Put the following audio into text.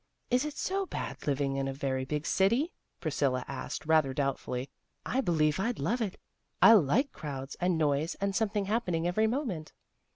" Is it so bad living in a very big city? " Priscilla asked, rather doubtfully. " I believe I'd love it. I like crowds and noise and some thing happening every moment."